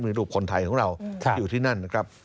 มีรูปคนไทยของเราที่อยู่ที่นั่นนะครับ